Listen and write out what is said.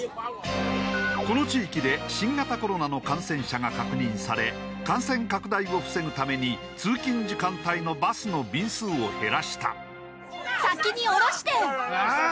この地域で新型コロナの感染者が確認され感染拡大を防ぐために通勤時間帯のバスの便数を減らした。